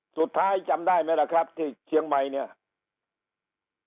จำได้ไหมล่ะครับที่เชียงใหม่เนี่ย